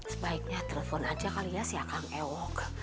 sebaiknya telfon aja kali ya si akang ewok